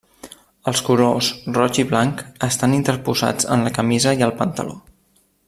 Els colors roig i blanc estan interposats en la camisa i el pantaló.